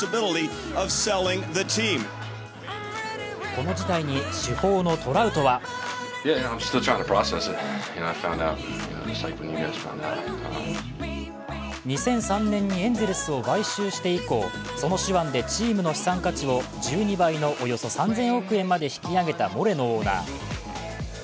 この事態に主砲のトラウトは２００３年にエンゼルスを買収して以降、その手腕でチームの資産価値を１２倍のおよそ３０００億円まで引き上げたモレノオーナー。